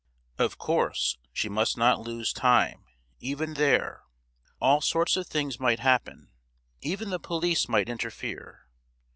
Of course she must not lose time, even there! All sorts of things might happen—even the police might interfere.